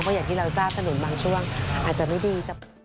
เพราะอย่างที่เราทราบถนนบางช่วงอาจจะไม่ดีสัก